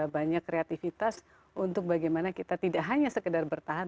banyak kreativitas untuk bagaimana kita tidak hanya sekedar bertahan